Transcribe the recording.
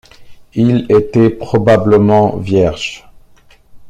Il était probablement vierge.